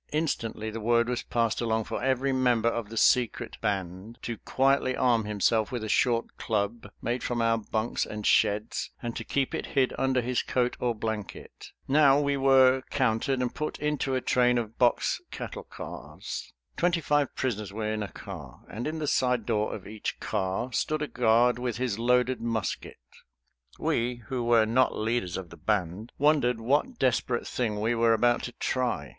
Instantly the word was passed along for every member of the secret "Band" to quietly arm himself with a short club, made from our bunks and sheds, and to keep it hid under his coat or blanket. Now we were counted and put into a train of box cattle cars. Twenty five prisoners were in a car, and in the side door of each car stood a guard with his loaded musket. We who were not leaders of the "Band" wondered what desperate thing we were about to try.